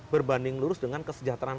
berbanding lurus dengan kesejahteraan